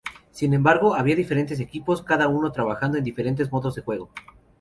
Sin embargo, había diferentes equipos, cada uno trabajando en diferentes modos de juego.